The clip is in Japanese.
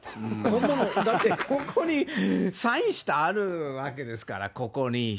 だって、ここにサインしてあるわけですから、ここに。